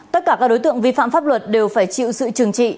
tất cả các đối tượng vi phạm pháp luật đều phải chịu sự trừng trị